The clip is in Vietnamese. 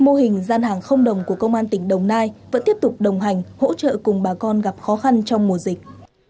mô hình gian hàng không đồng của công an tỉnh đồng nai vẫn tiếp tục đồng hành hỗ trợ cùng bà con gặp khó khăn trong mùa dịch